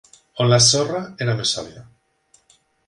on la sorra era més sòlida.